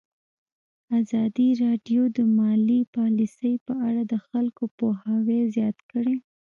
ازادي راډیو د مالي پالیسي په اړه د خلکو پوهاوی زیات کړی.